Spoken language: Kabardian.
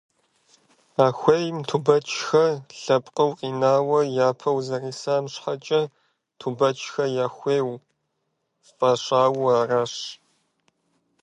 А хуейм Тубэчхэ лъэпкъыу къинауэ япэу зэрисам щхьэкӏэ, «Тубэчхэ я хуей» фӏащауэ аращ.